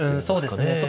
そうですね。